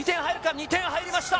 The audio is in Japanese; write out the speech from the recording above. ２点入りました。